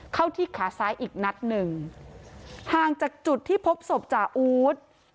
เข้าที่ขาซ้ายอีกนัดหนึ่งห่างจากจุดที่พบศพจ่าอู๊ด